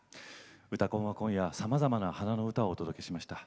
「うたコン」は今夜さまざまな花の歌をお届けしました。